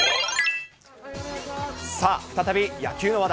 さあ、再び野球の話題。